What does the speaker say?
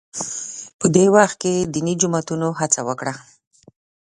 په دې وخت کې دیني جماعتونو هڅه وکړه